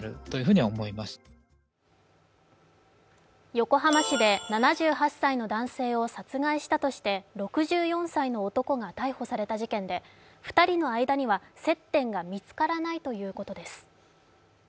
横浜市で７８歳の男性を殺害したとして６４歳の男が逮捕された事件で２人の間には接点が見つからないということです。